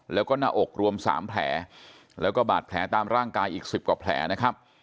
แล้วก็หน้าอกรวม๓แผลแล้วก็บาดแผลตามร่างกายอีก๑๐กว่าแผลนะครับ